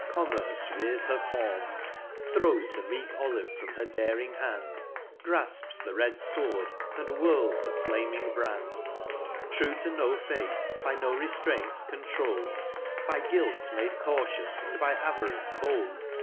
Commerce rears her form ; Throws the meek olive from her daring hand, Grafps the red fword, and whirls the flaming br&nd : True to no faith ; by no refl:raints controul'd ; By guilt mad6 cautious, and by avarice bold.